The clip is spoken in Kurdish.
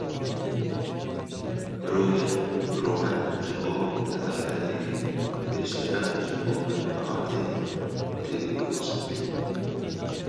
Mirovên birûmet ji bo edaletê yên bêşeref ji bo menfaetê têdikoşin.